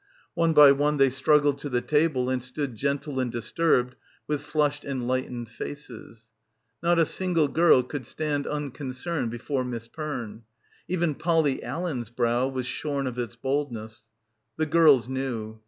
One by one they struggled to the table and stood gentle and dis turbed with flushed enlightened faces. Not a single girl could stand unconcerned before Miss Perne. Even Polly Allen's brow was shorn of its boldness. The girls knew.